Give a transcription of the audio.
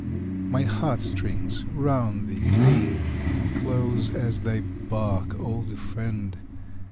My heart strings round thee cling, Close as thy bark, old friend!